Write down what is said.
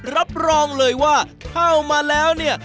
รับรองเลยว่าเข้ามาแล้วเนี่ย